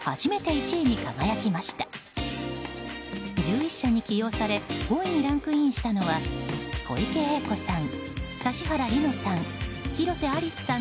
１１社に起用され５位にランクインしたのは小池栄子さん、指原莉乃さん